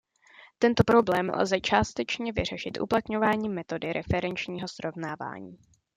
Tento problém lze částečně vyřešit uplatňováním metody referenčního srovnávání.